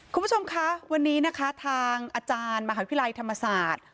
คุณผู้ชมคะวันนี้นะคะทางอาจารย์มหาวิทยาลัยธรรมศาสตร์